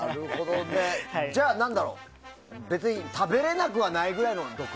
じゃあ、別に食べれなくはないぐらいの毒。